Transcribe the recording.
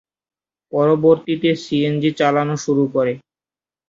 পরবর্তীতে সিএনজি চালানো শুরু করে।